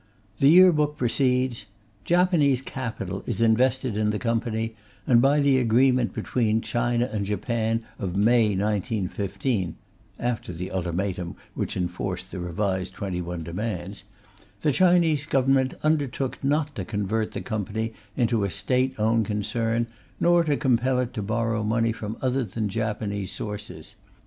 The Year Book proceeds: "Japanese capital is invested in the Company, and by the agreement between China and Japan of May 1915 [after the ultimatum which enforced the revised Twenty one Demands], the Chinese Government undertook not to convert the Company into a State owned concern nor to compel it to borrow money from other than Japanese sources."